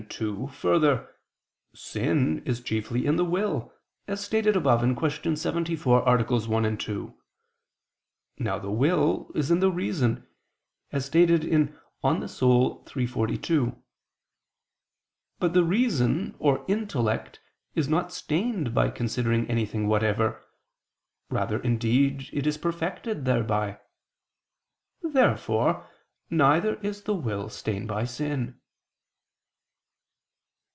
2: Further, sin is chiefly in the will, as stated above (Q. 74, AA. 1, 2). Now the will is in the reason, as stated in _De _Anima iii, text. 42. But the reason or intellect is not stained by considering anything whatever; rather indeed is it perfected thereby. Therefore neither is the will stained by sin.